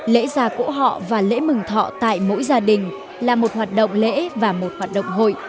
lễ gia cổ họ và lễ mừng thọ tại mỗi gia đình là một hoạt động lễ và một hoạt động hội